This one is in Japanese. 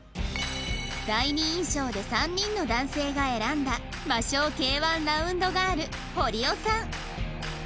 第二印象で３人の男性が選んだ魔性 Ｋ−１ ラウンドガール堀尾さん